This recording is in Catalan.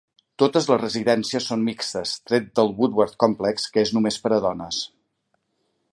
Totes les residències són mixtes, tret del Woodworth Complex, que és només per a dones.